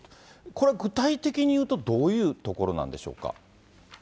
これ、具体的に言うと、どういうところなんでしょうか。